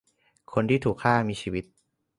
คนที่ถูกฆ่ามีชีวิต